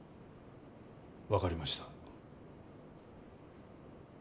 分かりました。